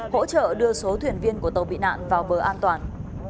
hỗ trợ đưa số thuyền viên của tàu bị nạn vào bờ an toàn